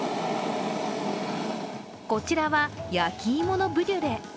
こちらは、焼き芋のブリュレ。